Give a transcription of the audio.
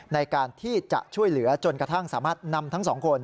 ในการที่จะช่วยเหลือจนกระทั่งสามารถนำทั้งสองคน